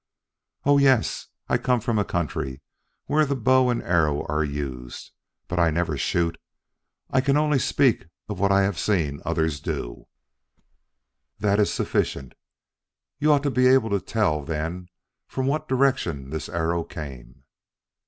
"Oh, yes. I come from a country where the bow and arrow are used. But I never shoot. I can only speak of what I have seen others do." "That is sufficient. You ought to be able to tell, then, from what direction this arrow came."